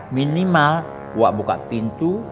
minimal wah buka pintu